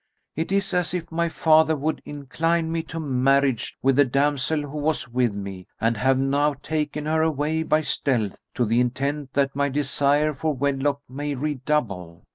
It is as if my father would incline me to marriage with the damsel who was with me and have now taken her away by stealth, to the intent that my desire for wedlock may redouble."